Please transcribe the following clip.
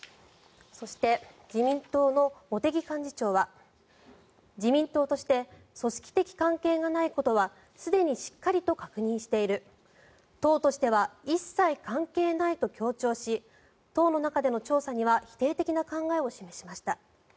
そして、自民党の茂木幹事長は自民党として組織的関係がないことはすでにしっかりと確認している党としては一切関係ないと強調し党の中での調査には否定的な考えを示しました。